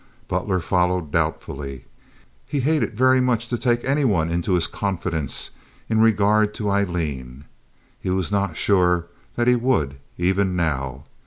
Butler followed doubtfully. He hated very much to take any one into his confidence in regard to Aileen. He was not sure that he would, even now.